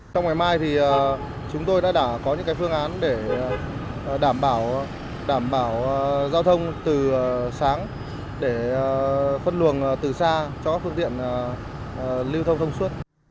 trong ngày mai chúng tôi đã có những phương án để đảm bảo giao thông từ sáng để phân luồng từ xa cho các phương tiện lưu thông thông suốt